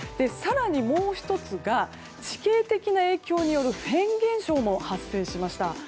更に、もう１つが地形的な影響によるフェーン現象も発生しました。